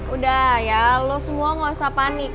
udah ya lo semua nggak usah panik